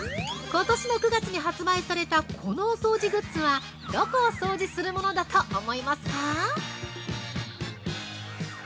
ことしの９月に発売されたこのお掃除グッズはどこを掃除するものだと思いますか。